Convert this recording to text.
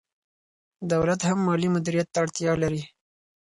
دولت هم مالي مدیریت ته اړتیا لري.